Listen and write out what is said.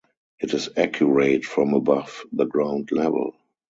It is accurate from above the ground level.